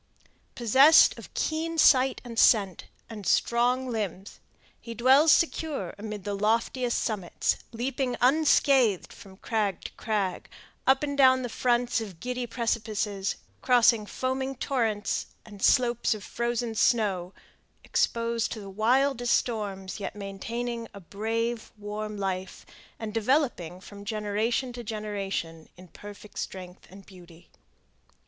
Possessed of keen sight and scent, and strong limbs, he dwells secure amid the loftiest summits, leaping unscathed from crag to crag, up and down the fronts of giddy precipices, crossing foaming torrents and slopes of frozen snow, exposed to the wildest storms, yet maintaining a brave, warm life, and developing from generation to generation in perfect strength and beauty.